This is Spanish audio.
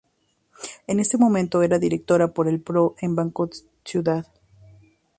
En ese momento era directora por el Pro en Banco Ciudad.